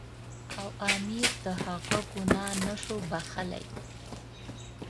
او امیر د هغه ګناه نه شو بخښلای.